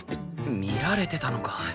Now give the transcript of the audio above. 見られてたのか。